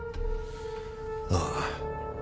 ああ。